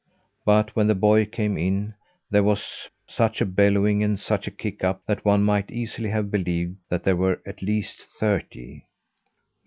But when the boy came in, there was such a bellowing and such a kick up, that one might easily have believed that there were at least thirty.